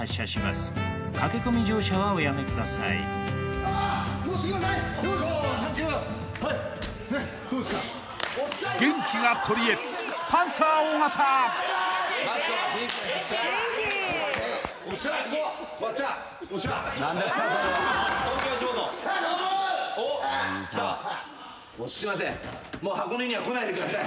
すいません。